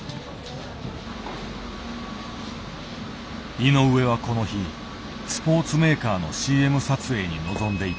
井上はこの日スポーツメーカーのＣＭ撮影に臨んでいた。